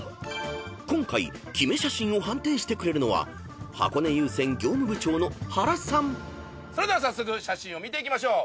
［今回キメ写真を判定してくれるのは］では写真を見ていきましょう。